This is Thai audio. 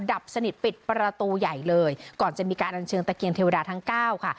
ดับสนิทปิดประตูใหญ่เลยก่อนจะมีการอัญเชิญตะเกียนเทวดาทั้งเก้าค่ะ